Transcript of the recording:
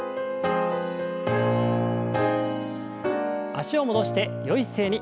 脚を戻してよい姿勢に。